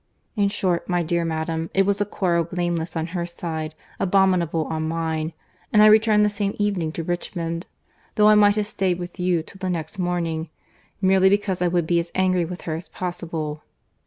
—In short, my dear madam, it was a quarrel blameless on her side, abominable on mine; and I returned the same evening to Richmond, though I might have staid with you till the next morning, merely because I would be as angry with her as possible.